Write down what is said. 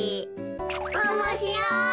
おもしろい。